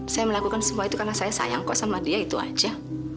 saya melakukan semua itu karena saya sayang kok sama dia itu aja